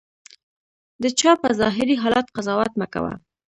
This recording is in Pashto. د چا په ظاهري حالت قضاوت مه کوه.